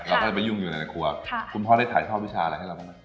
เราก็จะไปยุ่งอยู่ในครัวคุณพ่อได้ถ่ายทอดวิชาอะไรให้เราบ้างไหม